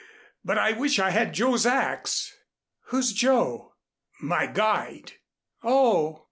But I wish I had Joe's axe." "Who's Joe?" "My guide." "Oh."